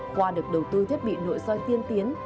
qua được đầu tư thiết bị nội soi tiên tiến